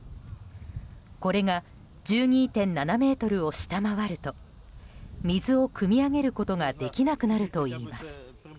これが１２．７ｍを下回ると水をくみ上げることができなくなるといいます。